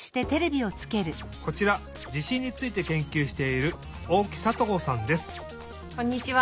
こちら地しんについてけんきゅうしているこんにちは。